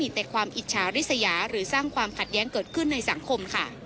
แต่ความอิจฉาริสยาหรือสร้างความขัดแย้งเกิดขึ้นในสังคมค่ะ